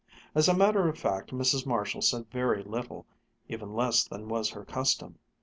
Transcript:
As a matter of fact Mrs. Marshall said very little, even less than was her custom.